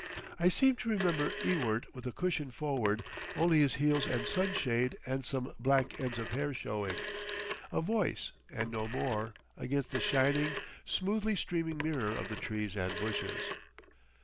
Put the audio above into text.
I seem to remember Ewart with a cushion forward, only his heels and sunshade and some black ends of hair showing, a voice and no more, against the shining, smoothly streaming mirror of the trees and bushes.